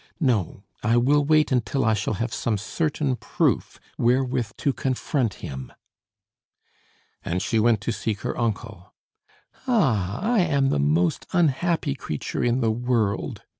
No, I will wait until I shall have some certain proof wherewith to confront him." And she went to seek her uncle. "Ah, I am the most unhappy creature in the world!"